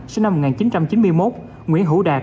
sinh năm một nghìn chín trăm chín mươi một nguyễn hữu đạt